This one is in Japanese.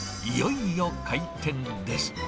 いよいよ開店です。